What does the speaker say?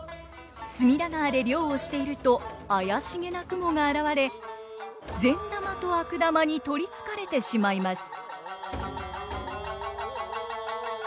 隅田川で漁をしていると怪しげな雲が現れ善玉と悪玉に取りつかれてしまいます。